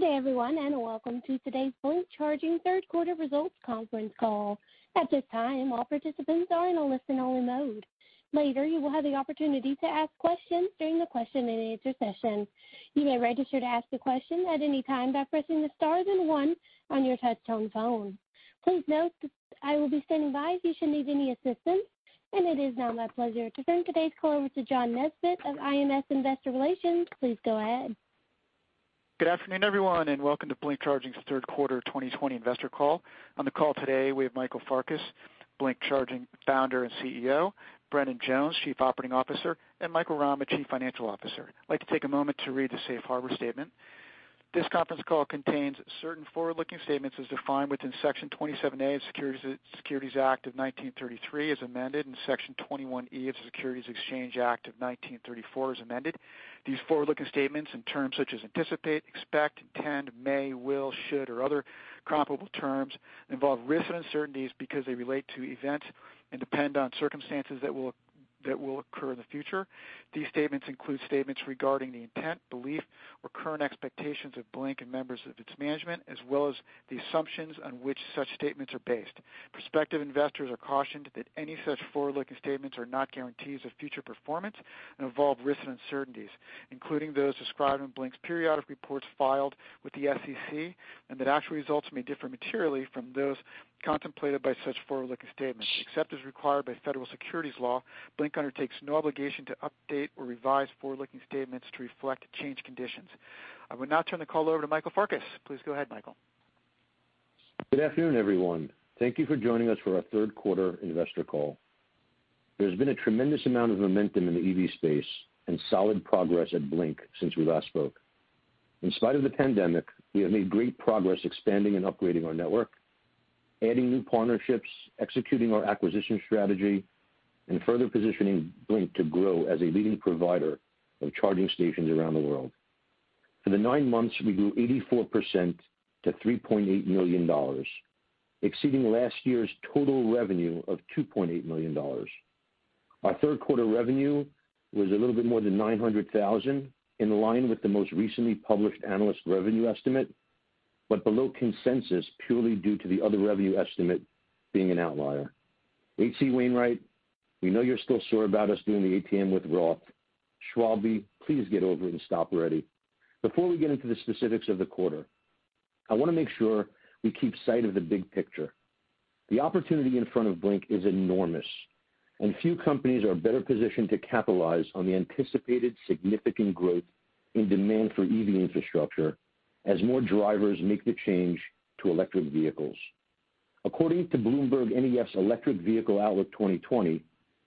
Good day everyone, welcome to today's Blink Charging third quarter results conference call. At this time, all participants are in a listen-only mode. Later, you will have the opportunity to ask questions during the question and answer session. You may register to ask a question at any time by pressing the star then one on your touch-tone phone. Please note that I will be standing by if you should need any assistance, and it is now my pleasure to turn today's call over to John Nesbett of IMS Investor Relations. Please go ahead. Good afternoon, everyone, and welcome to Blink Charging's third quarter 2020 investor call. On the call today, we have Michael Farkas, Blink Charging Founder and CEO, Brendan Jones, Chief Operating Officer, and Michael Rama, Chief Financial Officer. I'd like to take a moment to read the safe harbor statement. This conference call contains certain forward-looking statements as defined within Section 27A of the Securities Act of 1933 as amended, and Section 21E of the Securities Exchange Act of 1934 as amended. These forward-looking statements in terms such as anticipate, expect, intend, may, will, should, or other comparable terms, involve risks and uncertainties because they relate to events and depend on circumstances that will occur in the future. These statements include statements regarding the intent, belief, or current expectations of Blink and members of its management, as well as the assumptions on which such statements are based. Prospective investors are cautioned that any such forward-looking statements are not guarantees of future performance and involve risks and uncertainties, including those described in Blink's periodic reports filed with the SEC, and that actual results may differ materially from those contemplated by such forward-looking statements. Except as required by federal securities law, Blink undertakes no obligation to update or revise forward-looking statements to reflect changed conditions. I would now turn the call over to Michael Farkas. Please go ahead, Michael. Good afternoon, everyone. Thank you for joining us for our third quarter investor call. There's been a tremendous amount of momentum in the EV space and solid progress at Blink since we last spoke. In spite of the pandemic, we have made great progress expanding and upgrading our network, adding new partnerships, executing our acquisition strategy, and further positioning Blink to grow as a leading provider of charging stations around the world. For the nine months, we grew 84% to $3.8 million, exceeding last year's total revenue of $2.8 million. Our third quarter revenue was a little bit more than $900,000, in line with the most recently published analyst revenue estimate, but below consensus purely due to the other revenue estimate being an outlier. H.C. Wainwright, we know you're still sore about us doing the ATM with ROTH. Schwab, please get over it and stop already. Before we get into the specifics of the quarter, I want to make sure we keep sight of the big picture. The opportunity in front of Blink is enormous, and few companies are better positioned to capitalize on the anticipated significant growth in demand for EV infrastructure as more drivers make the change to electric vehicles. According to BloombergNEF's Electric Vehicle Outlook 2020,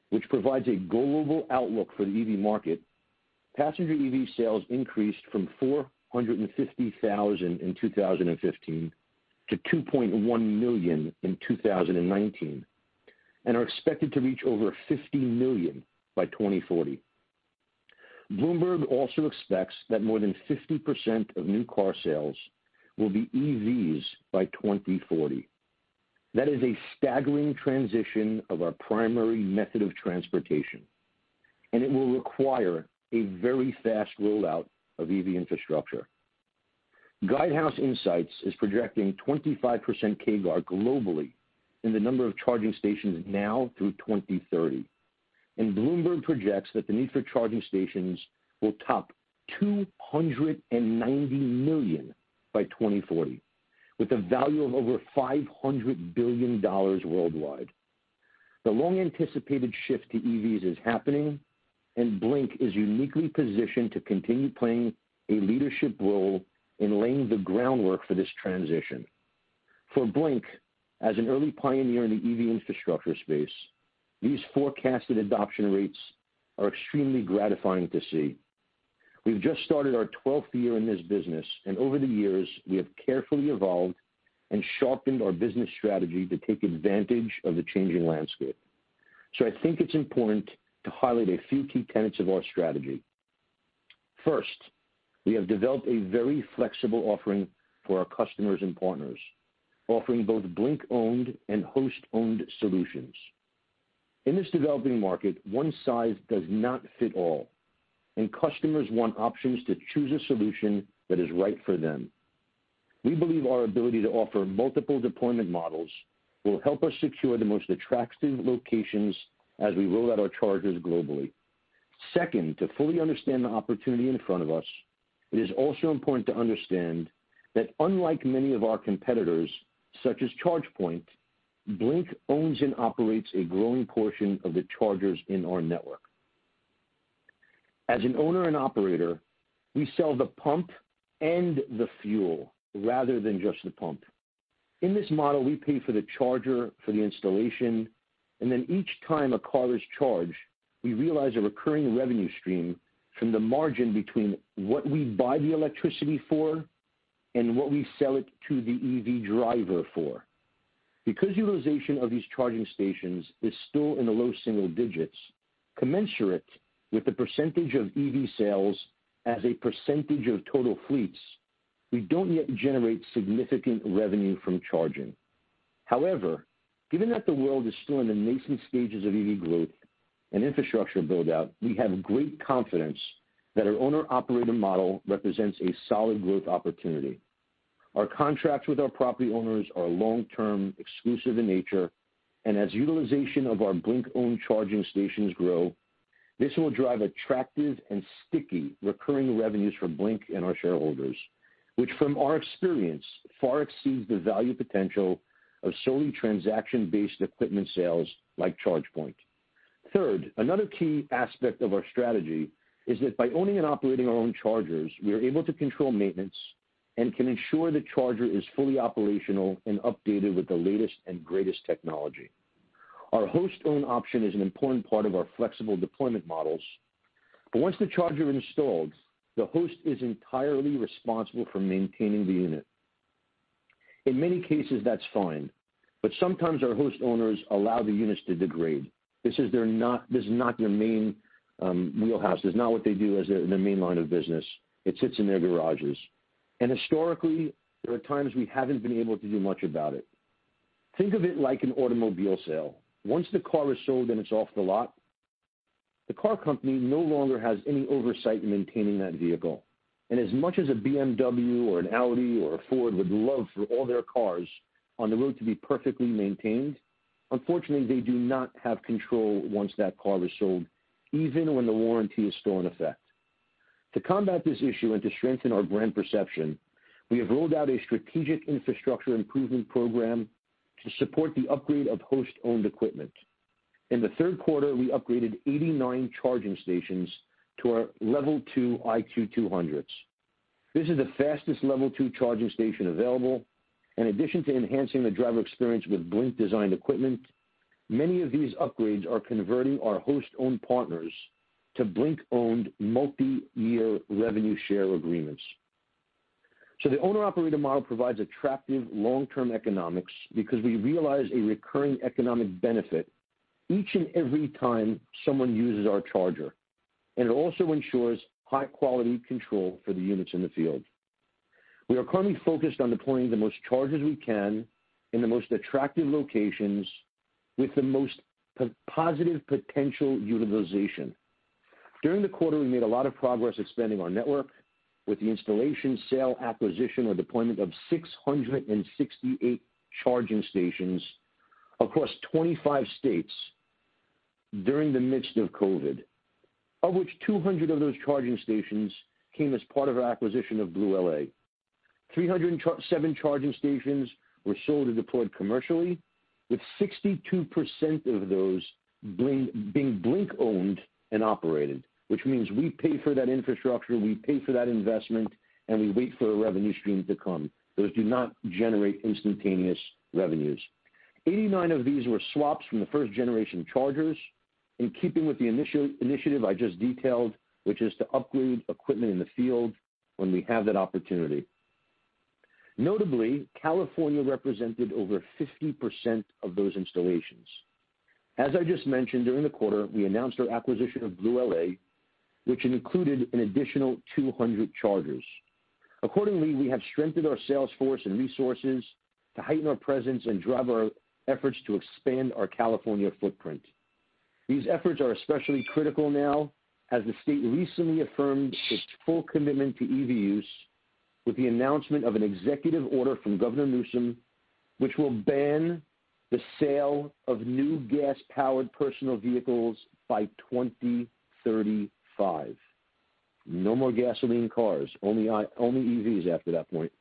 which provides a global outlook for the EV market, passenger EV sales increased from 450,000 in 2015 to 2.1 million in 2019 and are expected to reach over 50 million by 2040. Bloomberg also expects that more than 50% of new car sales will be EVs by 2040. That is a staggering transition of our primary method of transportation, and it will require a very fast rollout of EV infrastructure. Guidehouse Insights is projecting 25% CAGR globally in the number of charging stations now through 2030, and Bloomberg projects that the need for charging stations will top 290 million by 2040, with a value of over $500 billion worldwide. The long-anticipated shift to EVs is happening, and Blink is uniquely positioned to continue playing a leadership role in laying the groundwork for this transition. For Blink, as an early pioneer in the EV infrastructure space, these forecasted adoption rates are extremely gratifying to see. We've just started our 12th year in this business, and over the years we have carefully evolved and sharpened our business strategy to take advantage of the changing landscape. I think it's important to highlight a few key tenets of our strategy. First, we have developed a very flexible offering for our customers and partners, offering both Blink-owned and host-owned solutions. In this developing market, one size does not fit all, and customers want options to choose a solution that is right for them. We believe our ability to offer multiple deployment models will help us secure the most attractive locations as we roll out our chargers globally. Second, to fully understand the opportunity in front of us, it is also important to understand that unlike many of our competitors, such as ChargePoint, Blink owns and operates a growing portion of the chargers in our network. As an owner and operator, we sell the pump and the fuel rather than just the pump. In this model, we pay for the charger, for the installation, and then each time a car is charged, we realize a recurring revenue stream from the margin between what we buy the electricity for and what we sell it to the EV driver for. Because utilization of these charging stations is still in the low single digits, commensurate with the percentage of EV sales as a percentage of total fleets, we don't yet generate significant revenue from charging. However, given that the world is still in the nascent stages of EV growth and infrastructure build-out, we have great confidence that our owner-operator model represents a solid growth opportunity. Our contracts with our property owners are long-term, exclusive in nature, and as utilization of our Blink-owned charging stations grow, this will drive attractive and sticky recurring revenues from Blink and our shareholders, which from our experience, far exceeds the value potential of solely transaction-based equipment sales like ChargePoint. Third, another key aspect of our strategy is that by owning and operating our own chargers, we are able to control maintenance and can ensure the charger is fully operational and updated with the latest and greatest technology. Our host-owned option is an important part of our flexible deployment models, but once the charger installed, the host is entirely responsible for maintaining the unit. In many cases, that's fine, but sometimes our host owners allow the units to degrade. This is not their main wheelhouse. This is not what they do as their main line of business. It sits in their garages. Historically, there are times we haven't been able to do much about it. Think of it like an automobile sale. Once the car is sold and it's off the lot, the car company no longer has any oversight in maintaining that vehicle. As much as a BMW or an Audi or a Ford would love for all their cars on the road to be perfectly maintained, unfortunately, they do not have control once that car is sold, even when the warranty is still in effect. To combat this issue and to strengthen our brand perception, we have rolled out a strategic infrastructure improvement program to support the upgrade of host-owned equipment. In the third quarter, we upgraded 89 charging stations to our Level 2 IQ 200s. This is the fastest Level 2 charging station available. In addition to enhancing the driver experience with Blink-designed equipment, many of these upgrades are converting our host-owned partners to Blink-owned multi-year revenue share agreements. The owner operator model provides attractive long-term economics because we realize a recurring economic benefit each and every time someone uses our charger, and it also ensures high-quality control for the units in the field. We are currently focused on deploying the most chargers we can in the most attractive locations with the most positive potential utilization. During the quarter, we made a lot of progress expanding our network with the installation, sale, acquisition, or deployment of 668 charging stations across 25 states during the midst of COVID, of which 200 of those charging stations came as part of our acquisition of BlueLA. 307 charging stations were sold or deployed commercially, with 62% of those being Blink-owned and operated, which means we pay for that infrastructure, we pay for that investment, and we wait for a revenue stream to come. Those do not generate instantaneous revenues. 89 of these were swaps from the first-generation chargers in keeping with the initiative I just detailed, which is to upgrade equipment in the field when we have that opportunity. Notably, California represented over 50% of those installations. As I just mentioned, during the quarter, we announced our acquisition of BlueLA, which included an additional 200 chargers. Accordingly, we have strengthened our sales force and resources to heighten our presence and drive our efforts to expand our California footprint. These efforts are especially critical now as the state recently affirmed its full commitment to EV use with the announcement of an Executive Order from Governor Newsom, which will ban the sale of new gas-powered personal vehicles by 2035. No more gasoline cars, only EVs after that point.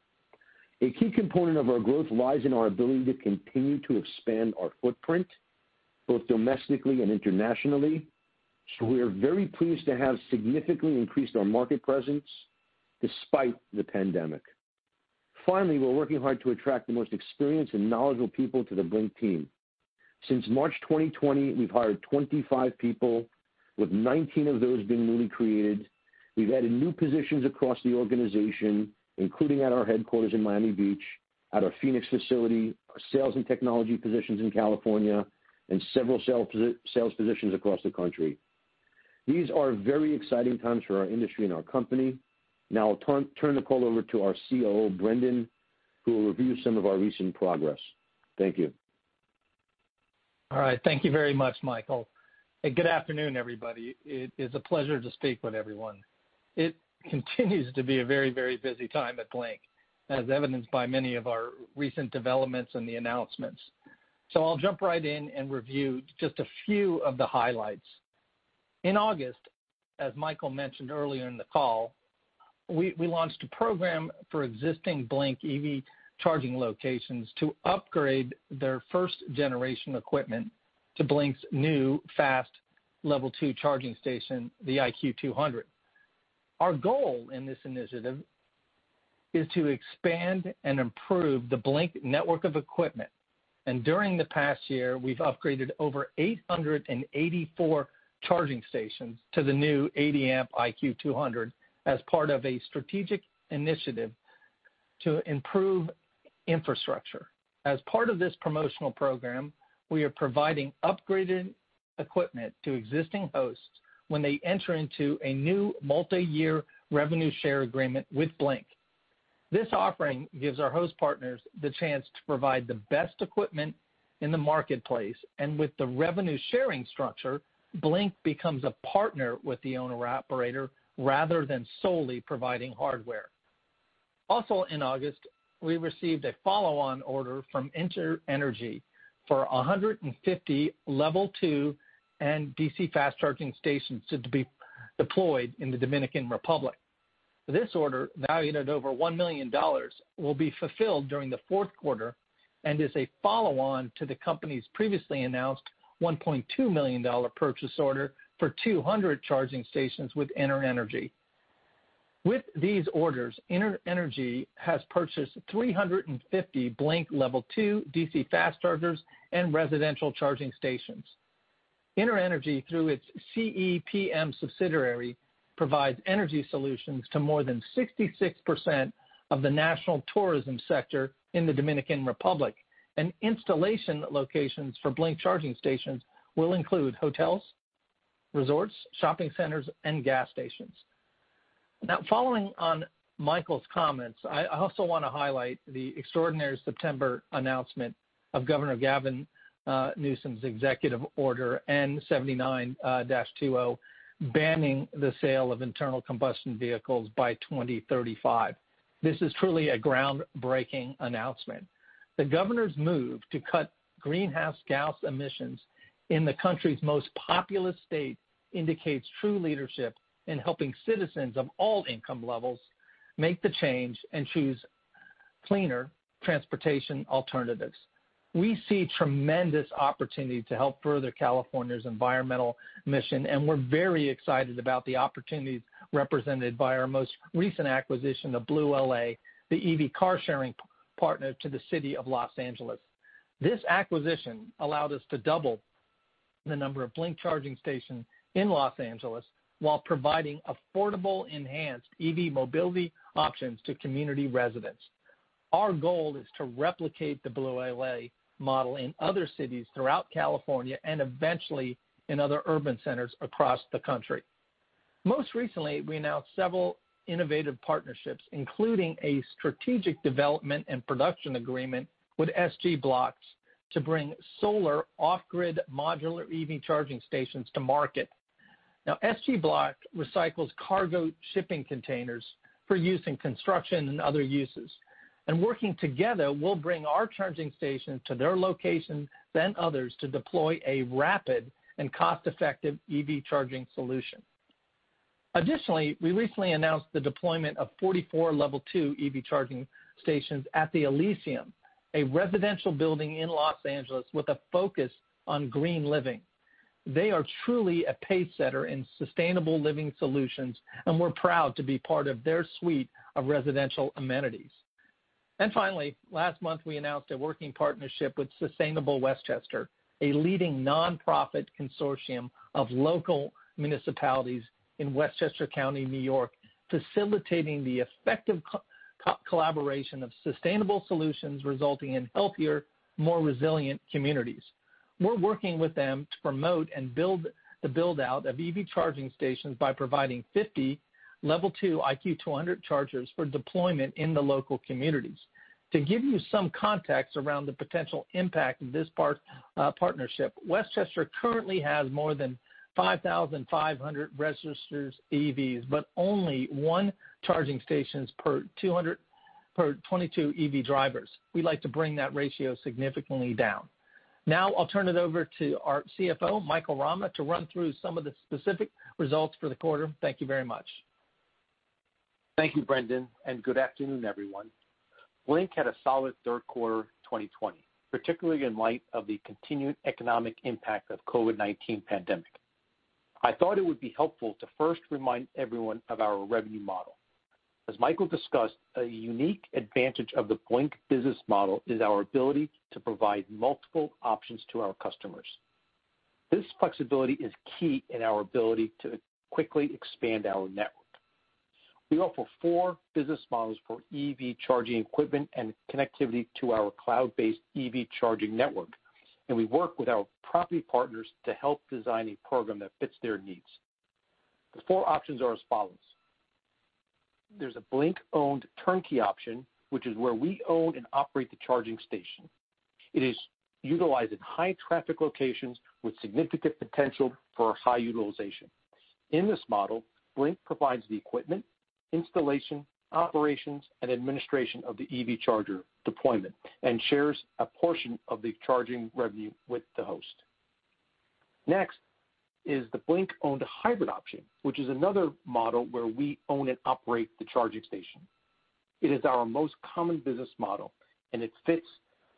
A key component of our growth lies in our ability to continue to expand our footprint, both domestically and internationally. We are very pleased to have significantly increased our market presence despite the pandemic. Finally, we're working hard to attract the most experienced and knowledgeable people to the Blink team. Since March 2020, we've hired 25 people, with 19 of those being newly created. We've added new positions across the organization, including at our headquarters in Miami Beach, at our Phoenix facility, our sales and technology positions in California, and several sales positions across the country. These are very exciting times for our industry and our company. Now I'll turn the call over to our COO, Brendan, who will review some of our recent progress. Thank you. All right. Thank you very much, Michael. Good afternoon, everybody. It is a pleasure to speak with everyone. It continues to be a very busy time at Blink, as evidenced by many of our recent developments and the announcements. I'll jump right in and review just a few of the highlights. In August, as Michael mentioned earlier in the call, we launched a program for existing Blink EV charging locations to upgrade their first-generation equipment to Blink's new fast Level 2 charging station, the IQ 200. Our goal in this initiative is to expand and improve the Blink Network of equipment. During the past year, we've upgraded over 884 charging stations to the new 80-amp IQ 200 as part of a strategic initiative to improve infrastructure. As part of this promotional program, we are providing upgraded equipment to existing hosts when they enter into a new multi-year revenue share agreement with Blink. This offering gives our host partners the chance to provide the best equipment in the marketplace, and with the revenue-sharing structure, Blink becomes a partner with the owner-operator rather than solely providing hardware. In August, we received a follow-on order from InterEnergy for 150 Level 2 and DC Fast-charging stations to be deployed in the Dominican Republic. This order, valued at over $1 million, will be fulfilled during the fourth quarter and is a follow-on to the company's previously announced $1.2 million purchase order for 200 charging stations with InterEnergy. With these orders, InterEnergy has purchased 350 Blink Level 2 DC Fast Chargers and residential charging stations. InterEnergy, through its CEPM subsidiary, provides energy solutions to more than 66% of the national tourism sector in the Dominican Republic, and installation locations for Blink Charging stations will include hotels, resorts, shopping centers, and gas stations. Following on Michael's comments, I also want to highlight the extraordinary September announcement of Governor Gavin Newsom's Executive Order N-79-20, banning the sale of internal combustion vehicles by 2035. This is truly a groundbreaking announcement. The governor's move to cut greenhouse gas emissions in the country's most populous state indicates true leadership in helping citizens of all income levels make the change and choose cleaner transportation alternatives. We see tremendous opportunity to help further California's environmental mission, and we're very excited about the opportunities represented by our most recent acquisition of BlueLA, the EV car-sharing partner to the City of Los Angeles. This acquisition allowed us to double the number of Blink charging stations in Los Angeles while providing affordable enhanced EV mobility options to community residents. Our goal is to replicate the BlueLA model in other cities throughout California and eventually in other urban centers across the country. Most recently, we announced several innovative partnerships, including a strategic development and production agreement with SG Blocks to bring solar off-grid modular EV charging stations to market. SG Blocks recycles cargo shipping containers for use in construction and other uses, and working together, we'll bring our charging stations to their locations, then others, to deploy a rapid and cost-effective EV charging solution. Additionally, we recently announced the deployment of 44 Level 2 EV charging stations at the Elysian, a residential building in Los Angeles with a focus on green living. They are truly a pacesetter in sustainable living solutions, and we're proud to be part of their suite of residential amenities. Finally, last month, we announced a working partnership with Sustainable Westchester, a leading nonprofit consortium of local municipalities in Westchester County, N.Y., facilitating the effective collaboration of sustainable solutions resulting in healthier, more resilient communities. We're working with them to promote and build out EV charging stations by providing 50 Level 2 IQ 200 chargers for deployment in the local communities. To give you some context around the potential impact of this partnership, Westchester currently has more than 5,500 registered EVs, but only one charging station per 22 EV drivers. We'd like to bring that ratio significantly down. I'll turn it over to our CFO Michael Rama to run through some of the specific results for the quarter. Thank you very much. Thank you, Brendan, and good afternoon, everyone. Blink had a solid third quarter 2020, particularly in light of the continued economic impact of COVID-19 pandemic. I thought it would be helpful to first remind everyone of our revenue model. As Michael discussed, a unique advantage of the Blink business model is our ability to provide multiple options to our customers. This flexibility is key in our ability to quickly expand our network. We offer four business models for EV charging equipment and connectivity to our cloud-based EV charging network. We work with our property partners to help design a program that fits their needs. The four options are as follows. There's a Blink-owned turnkey option, which is where we own and operate the charging station. It is utilized in high-traffic locations with significant potential for high utilization. In this model, Blink provides the equipment, installation, operations, and administration of the EV charger deployment and shares a portion of the charging revenue with the host. Next is the Blink-owned hybrid option, which is another model where we own and operate the charging station. It is our most common business model, and it fits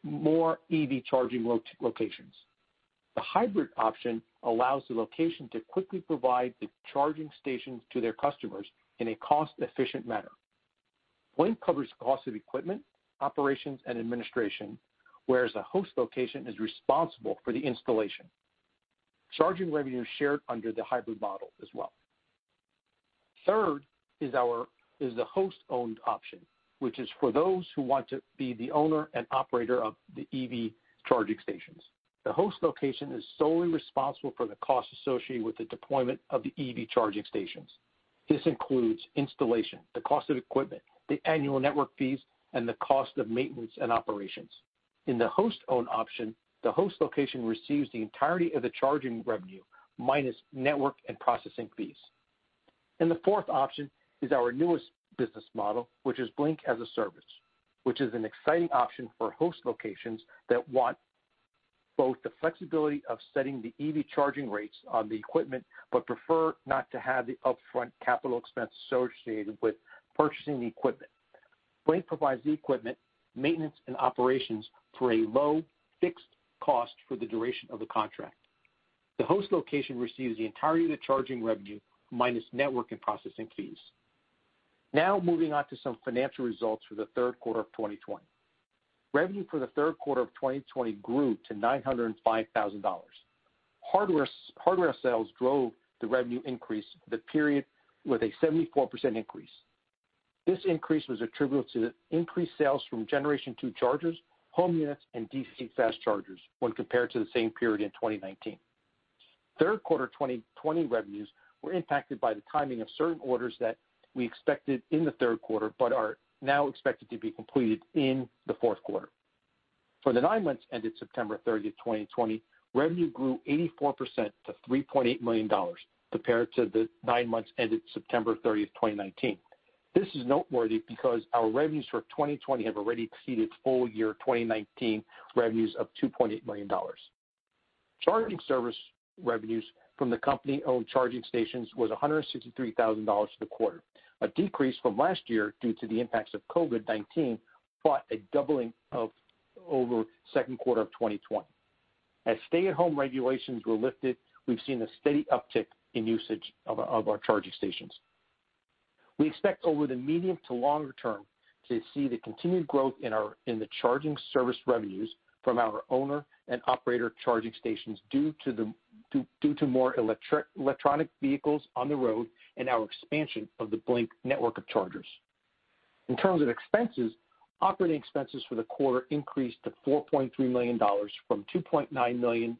more EV charging locations. The hybrid option allows the location to quickly provide the charging stations to their customers in a cost-efficient manner. Blink covers cost of equipment, operations, and administration, whereas the host location is responsible for the installation. Charging revenue is shared under the hybrid model as well. Third is the host-owned option, which is for those who want to be the owner and operator of the EV charging stations. The host location is solely responsible for the costs associated with the deployment of the EV charging stations. This includes installation, the cost of equipment, the annual network fees, and the cost of maintenance and operations. In the host-owned option, the host location receives the entirety of the charging revenue, minus network and processing fees. The fourth option is our newest business model, which is Blink as a Service, which is an exciting option for host locations that want both the flexibility of setting the EV charging rates on the equipment, but prefer not to have the upfront capital expense associated with purchasing the equipment. Blink provides the equipment, maintenance, and operations for a low fixed cost for the duration of the contract. The host location receives the entirety of the charging revenue, minus network and processing fees. Moving on to some financial results for the third quarter of 2020. Revenue for the third quarter of 2020 grew to $905,000. Hardware sales drove the revenue increase the period with a 74% increase. This increase was attributed to increased sales from Generation 2 chargers, home units, and DC Fast Chargers when compared to the same period in 2019. Third quarter 2020 revenues were impacted by the timing of certain orders that we expected in the third quarter but are now expected to be completed in the fourth quarter. For the nine months ended September 30th, 2020, revenue grew 84% to $3.8 million compared to the nine months ended September 30th, 2019. This is noteworthy because our revenues for 2020 have already exceeded full year 2019 revenues of $2.8 million. Charging service revenues from the company-owned charging stations was $163,000 for the quarter, a decrease from last year due to the impacts of COVID-19, but a doubling over the second quarter of 2020. As stay-at-home regulations were lifted, we've seen a steady uptick in usage of our charging stations. We expect over the medium to longer term to see the continued growth in the charging service revenues from our owner and operator charging stations due to more electric vehicles on the road and our expansion of the Blink Network of chargers. In terms of expenses, operating expenses for the quarter increased to $4.3 million from $2.9 million,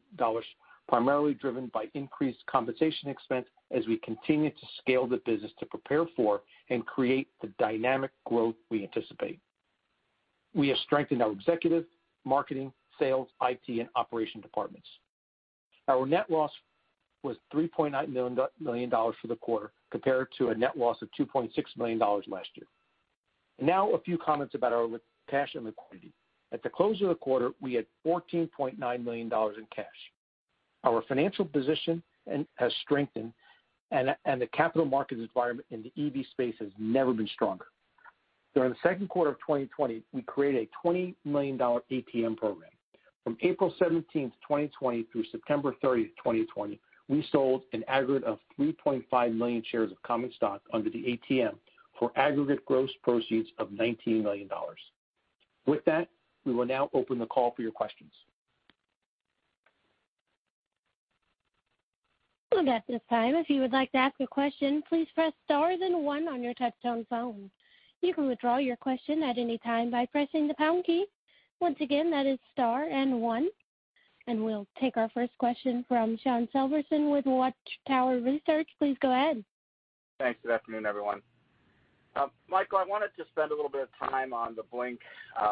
primarily driven by increased compensation expense as we continue to scale the business to prepare for and create the dynamic growth we anticipate. We have strengthened our executive, marketing, sales, IT, and operation departments. Our net loss was $3.9 million for the quarter, compared to a net loss of $2.6 million last year. A few comments about our cash and liquidity. At the close of the quarter, we had $14.9 million in cash. Our financial position has strengthened, and the capital markets environment in the EV space has never been stronger. During the second quarter of 2020, we created a $20 million ATM program. From April 17th, 2020 through September 30th, 2020, we sold an aggregate of 3.5 million shares of common stock under the ATM for aggregate gross proceeds of $19 million. With that, we will now open the call for your questions. At this time, if you would like to ask a question, please press star then one on your touchtone phone. You can withdraw your question at any time by pressing the pound key. Once again, that is star and one. We'll take our first question from Shawn Severson with Water Tower Research. Please go ahead. Thanks. Good afternoon, everyone. Michael, I wanted to spend a little bit of time on the Blink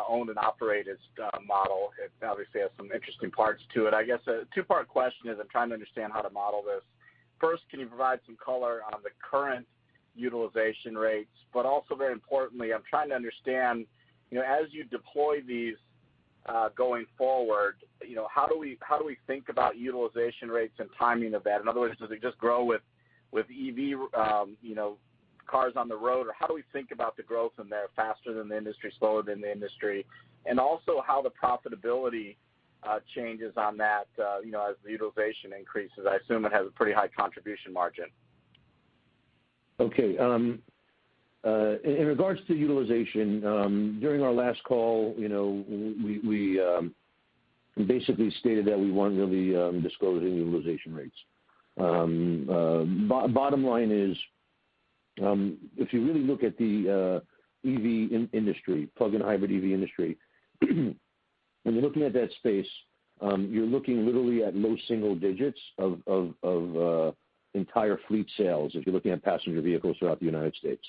owned and operated model. It obviously has some interesting parts to it. I guess a two-part question as I'm trying to understand how to model this. First, can you provide some color on the current utilization rates? Also very importantly, I'm trying to understand, as you deploy these going forward, how do we think about utilization rates and timing of that? In other words, does it just grow with EV cars on the road? How do we think about the growth in there, faster than the industry, slower than the industry? Also how the profitability changes on that as the utilization increases. I assume it has a pretty high contribution margin. Okay. In regards to utilization, during our last call, we basically stated that we won't really be disclosing utilization rates. Bottom line is, if you really look at the EV industry, plug-in hybrid EV industry, when you're looking at that space you're looking literally at low single digits of entire fleet sales if you're looking at passenger vehicles throughout the United States.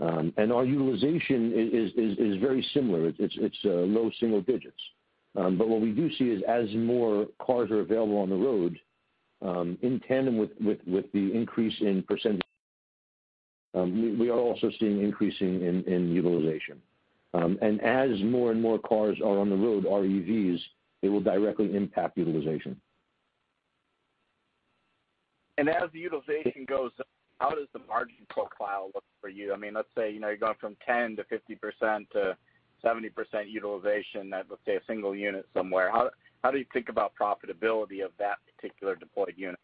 Our utilization is very similar. It's low single digits. But what we do see is as more cars are available on the road, in tandem with the increase in percentage, we are also seeing increasing in utilization. As more and more cars are on the road are EVs, it will directly impact utilization. As the utilization goes up, how does the margin profile look for you? Let's say, you're going from 10%-50%-70% utilization at, let's say, a single unit somewhere. How do you think about profitability of that particular deployed unit?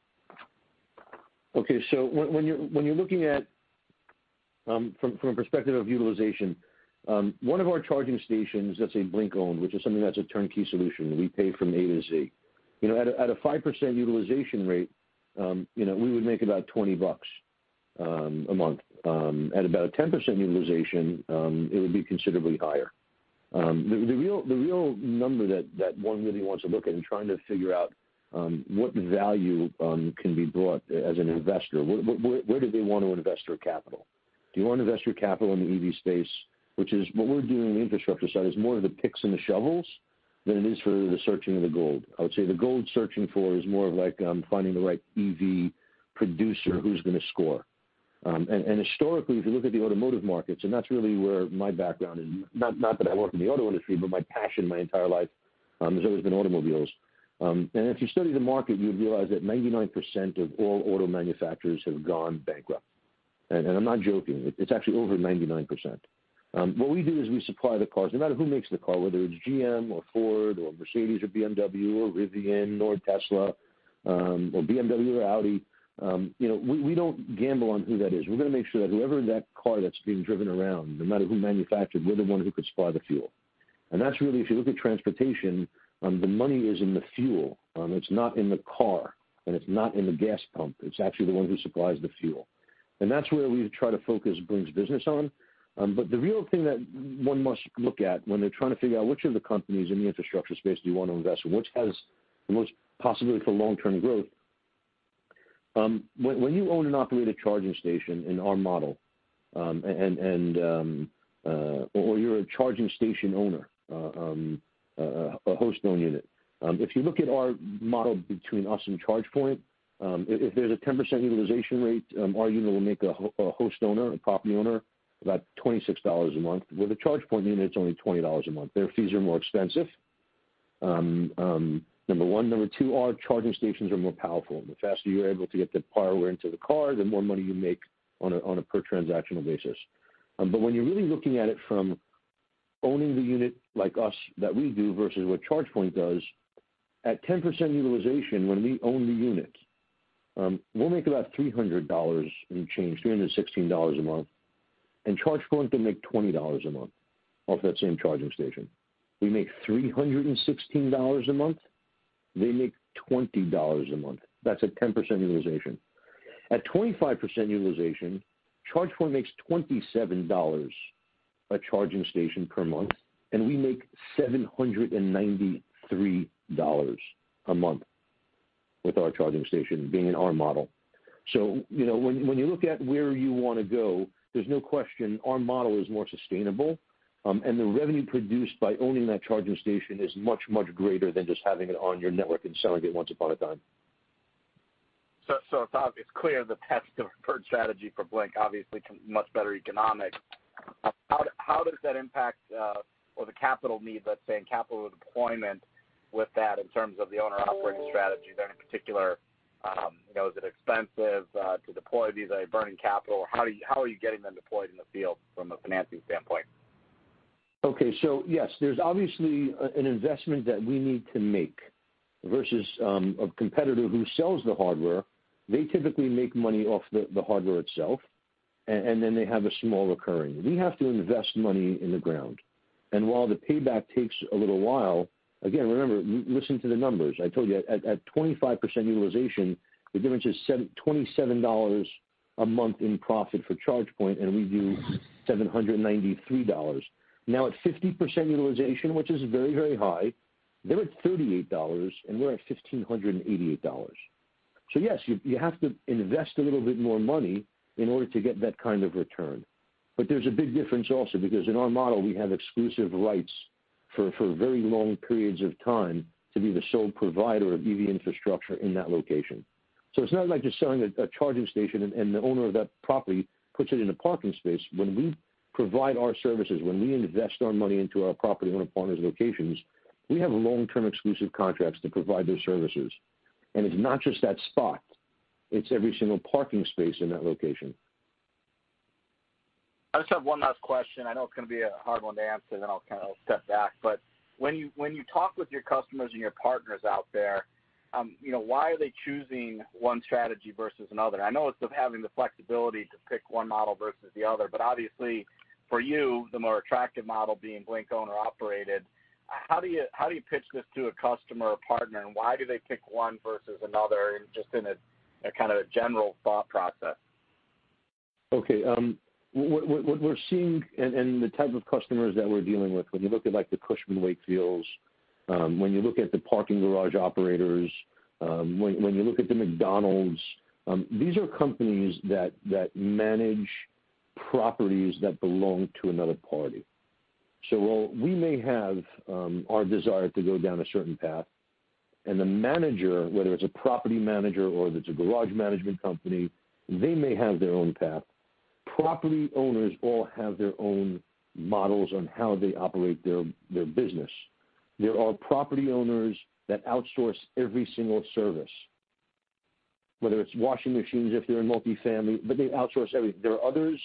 Okay, when you're looking at. From a perspective of utilization, one of our charging stations that's a Blink-owned, which is something that's a turnkey solution, we pay from A to Z. At a 5% utilization rate, we would make about $20 a month. At about a 10% utilization, it would be considerably higher. The real number that one really wants to look at in trying to figure out what value can be brought as an investor, where do they want to invest their capital? Do you want to invest your capital in the EV space? What we're doing on the infrastructure side is more the picks and the shovels than it is for the searching of the gold. I would say the gold searching for is more of like finding the right EV producer who's going to score. Historically, if you look at the automotive markets, and that's really where my background is, not that I work in the auto industry, but my passion my entire life has always been automobiles. If you study the market, you realize that 99% of all auto manufacturers have gone bankrupt. I'm not joking. It's actually over 99%. What we do is we supply the cars, no matter who makes the car, whether it's GM or Ford or Mercedes or BMW or Rivian or Tesla, or BMW or Audi. We don't gamble on who that is. We're going to make sure that whoever that car that's being driven around, no matter who manufactured, we're the one who could supply the fuel. That's really, if you look at transportation, the money is in the fuel. It's not in the car, and it's not in the gas pump. It's actually the one who supplies the fuel. That's where we try to focus Blink's business on. The real thing that one must look at when they're trying to figure out which of the companies in the infrastructure space do you want to invest in, which has the most possibility for long-term growth. When you own and operate a charging station in our model or you're a charging station owner, a host-owned unit. If you look at our model between us and ChargePoint, if there's a 10% utilization rate, our unit will make a host owner, a property owner, about $26 a month. With a ChargePoint unit, it's only $20 a month. Their fees are more expensive, number one. Number two, our charging stations are more powerful. The faster you're able to get the power into the car, the more money you make on a per transactional basis. When you're really looking at it from owning the unit like us that we do versus what ChargePoint does, at 10% utilization, when we own the units, we'll make about $300 and change, $316 a month. ChargePoint can make $20 a month off that same charging station. We make $316 a month. They make $20 a month. That's at 10% utilization. At 25% utilization, ChargePoint makes $27 a charging station per month, and we make $793 a month with our charging station being in our model. When you look at where you want to go, there's no question our model is more sustainable, and the revenue produced by owning that charging station is much, much greater than just having it on your network and selling it once upon a time. It's clear the path to current strategy for Blink, obviously much better economic. How does that impact the capital need, let's say, in capital deployment with that in terms of the owner operating strategy there in particular? Is it expensive to deploy these burning capital? How are you getting them deployed in the field from a financing standpoint? Okay. Yes, there's obviously an investment that we need to make versus a competitor who sells the hardware. They typically make money off the hardware itself, and then they have a small recurring. We have to invest money in the ground. While the payback takes a little while, again, remember, listen to the numbers. I told you, at 25% utilization, the difference is $27 a month in profit for ChargePoint, and we do $793. At 50% utilization, which is very, very high, they're at $38, and we're at $1,588. Yes, you have to invest a little bit more money in order to get that kind of return. There's a big difference also because in our model, we have exclusive rights for very long periods of time to be the sole provider of EV infrastructure in that location. It's not like just selling a charging station and the owner of that property puts it in a parking space. When we provide our services, when we invest our money into our property owner partners locations, we have long-term exclusive contracts to provide those services. It's not just that spot. It's every single parking space in that location. I just have one last question. I know it's going to be a hard one to answer, then I'll step back. When you talk with your customers and your partners out there, why are they choosing one strategy versus another? I know it's having the flexibility to pick one model versus the other. Obviously for you, the more attractive model being Blink owner operated, how do you pitch this to a customer or partner, and why do they pick one versus another just in a general thought process? Okay. What we're seeing and the type of customers that we're dealing with, when you look at like the Cushman & Wakefield, when you look at the parking garage operators, when you look at the McDonald's, these are companies that manage properties that belong to another party. While we may have our desire to go down a certain path, and the manager, whether it's a property manager or it's a garage management company, they may have their own path. Property owners all have their own models on how they operate their business. There are property owners that outsource every single service, whether it's washing machines if they're in multifamily, but they outsource everything. There are others,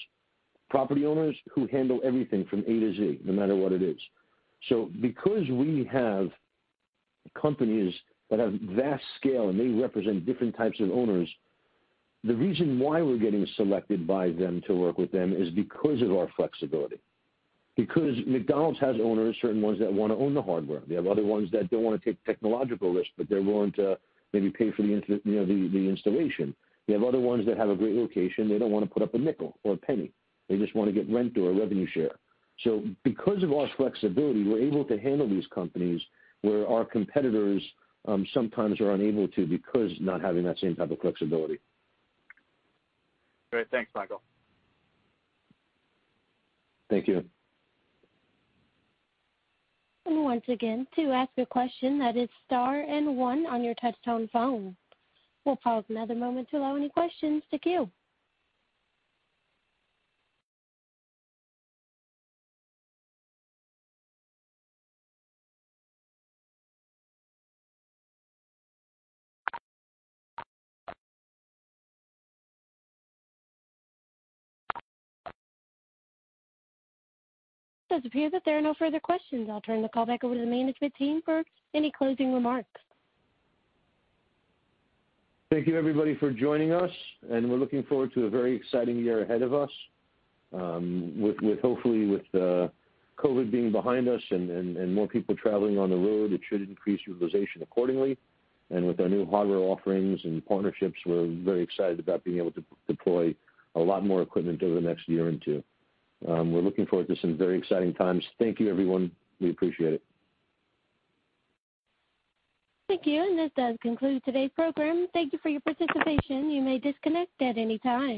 property owners who handle everything from A to Z no matter what it is. Because we have companies that have vast scale and they represent different types of owners, the reason why we're getting selected by them to work with them is because of our flexibility. McDonald's has owners, certain ones that want to own the hardware. They have other ones that don't want to take technological risk, but they're willing to maybe pay for the installation. They have other ones that have a great location. They don't want to put up a nickel or a penny. They just want to get rent or a revenue share. Because of our flexibility, we're able to handle these companies where our competitors sometimes are unable to because not having that same type of flexibility. Great. Thanks, Michael. Thank you. Once again, to ask a question, that is star and one on your touch-tone phone. We'll pause another moment to allow any questions to queue. It does appear that there are no further questions. I'll turn the call back over to the management team for any closing remarks. Thank you, everybody, for joining us. We're looking forward to a very exciting year ahead of us. Hopefully with COVID being behind us and more people traveling on the road, it should increase utilization accordingly. With our new hardware offerings and partnerships, we're very excited about being able to deploy a lot more equipment over the next year or two. We're looking forward to some very exciting times. Thank you, everyone. We appreciate it. Thank you, and this does conclude today's program. Thank you for your participation. You may disconnect at any time.